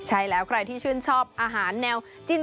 ใช่แล้วใครที่ชื่นชอบอาหารแนวจิ้น